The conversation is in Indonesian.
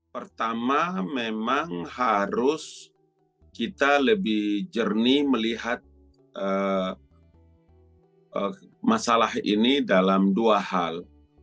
pertama memang harus kita lebih jernih melihat masalah ini dalam dua hal